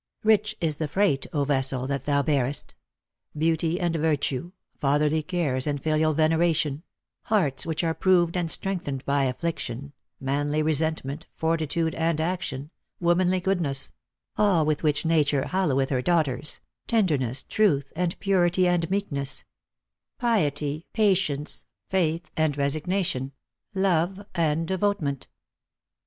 Rich is the freight, vessel, that thou bearest I Beauty and virtue, Fatherly cares and filial veneration, Hearts which are proved and strengthen'd by affliction, Jlanly resentment, fortitude, and action, Womanly goodness ; All with which Nature halloweth her daughters, Tenderness, truth, and purity and meekness, Piety, patience, faith, and resignation, Love and devotement."